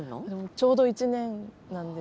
ちょうど１年なんです。